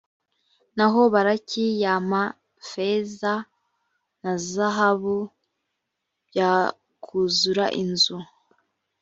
naho balaki yampa feza na zahabu byakuzura inzu.